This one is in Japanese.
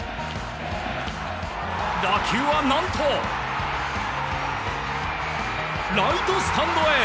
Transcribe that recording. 打球は何とライトスタンドへ！